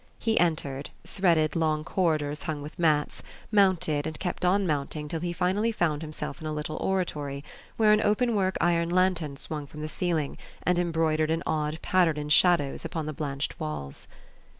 He entered, threaded long corridors hung with mats, mounted and kept on mounting till he finally found himself in a little oratory, where an openwork iron lantern swung from the ceiling, and embroidered an odd pattern in shadows upon the blanched walls.